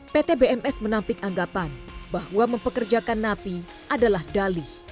pt bms menampik anggapan bahwa mempekerjakan napi adalah dalih